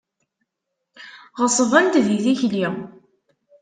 Ɣeṣbent di tikli.